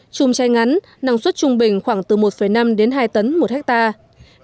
chùm chai ngắn năng suất trung bình khoảng từ một năm đến hai tấn một hectare